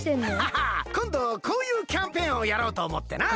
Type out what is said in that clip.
ハハこんどこういうキャンペーンをやろうとおもってな。